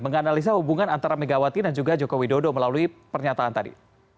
menganalisa hubungan antara megawati dan juga joko widodo melalui pernyataan tadi